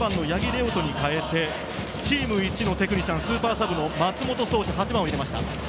央翔に代えて、チームいちのテクニシャン、スーパーサブの松本壮司・８番を入れました。